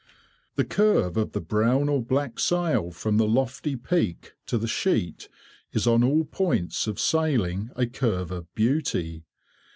The curve of the brown or black sail from the lofty peak to the sheet is on all points of sailing a curve of beauty.